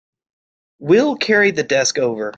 We'll carry the desk over.